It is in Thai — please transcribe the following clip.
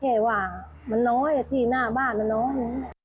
แค่ว่ามันน้อยที่หน้าบ้านมันน้อย